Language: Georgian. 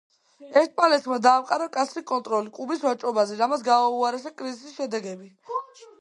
ესპანეთმა დაამყარა მკაცრი კონტროლი კუბის ვაჭრობაზე, რამაც გააუარესა კრიზისის შედეგები.